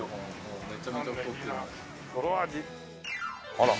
あら。